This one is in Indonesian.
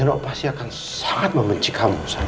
nino pasti akan sangat membenci kamu sang